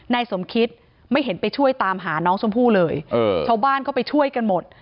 นายสมคิดไม่เห็นไปช่วยตามหาน้องชมพู่เลยชาวบ้านก็ไปช่วยกันหมด